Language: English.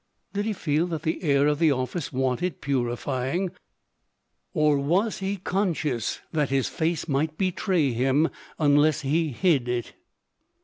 Did he feel that the air of the office wanted purifying? or was he conscious that his face might betray him unless he hid it?